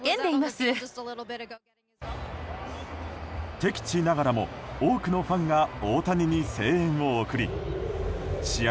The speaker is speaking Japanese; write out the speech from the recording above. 敵地ながらも多くのファンが大谷に声援を送り試合